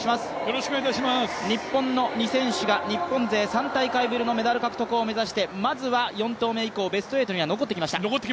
日本の２選手が日本勢３大会ぶりのメダルを目指してまずは４投目以降、ベスト８には残ってきました。